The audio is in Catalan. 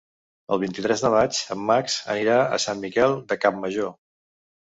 El vint-i-tres de maig en Max anirà a Sant Miquel de Campmajor.